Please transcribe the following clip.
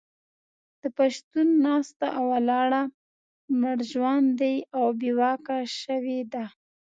د پښتون ناسته او ولاړه مړژواندې او بې واکه شوې ده.